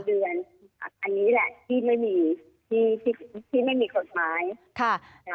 ๓เดือนอันนี้แหละที่ไม่มีผลหมาย